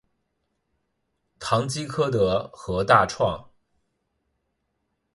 唐吉柯德和大创